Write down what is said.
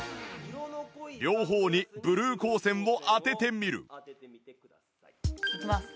両方にブルー光線を当ててみるいきます。